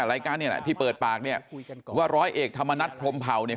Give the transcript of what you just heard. รายการเนี่ยแหละที่เปิดปากเนี่ยว่าร้อยเอกธรรมนัฐพรมเผาเนี่ย